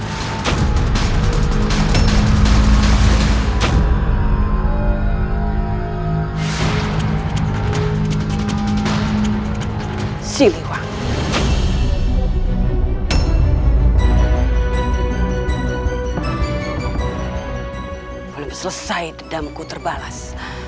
kau belum selesai dendamku terbalas